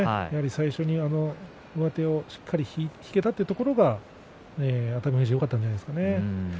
最初に上手をしっかり引けたというところが熱海富士よかったんじゃないですかね。